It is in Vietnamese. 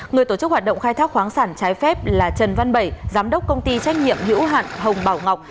người tổ chức hoạt động khai thác khoáng sản trái phép là trần văn bảy giám đốc công ty trách nhiệm hữu hạn hồng bảo ngọc